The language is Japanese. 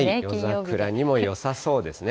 夜桜にもよさそうですね。